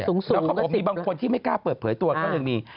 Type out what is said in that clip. เหรอครับผมมีบางคนที่ไม่กล้าเปิดเผยตัวอ่ะก็เลยมี